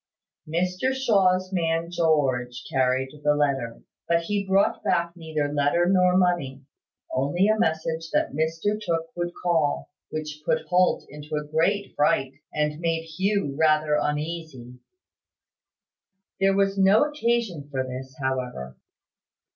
Mr Shaw's man George carried the letter; but he brought back neither letter nor money: only a message that Mr Tooke would call; which put Holt into a great fright, and made Hugh rather uneasy. There was no occasion for this, however.